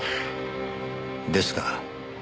ですが。